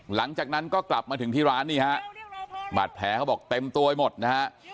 หลังจากนั้นก็กลับมาถึงที่ร้านนี่ฮะบาดแผลเขาบอกเต็มตัวไปหมดนะฮะ